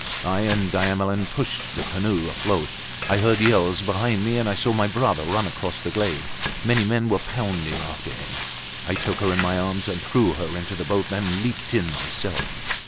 I and Diamelen pushed the canoe afloat. I heard yells behind me, and I saw my brother run across the glade. Many men were bounding after him, I took her in my arms and threw her into the boat, then leaped in myself.